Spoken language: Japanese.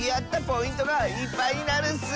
ポイントがいっぱいになるッス！